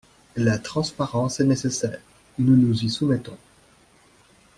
La transparence est nécessaire, nous nous y soumettons.